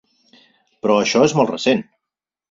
Però això és molt recent.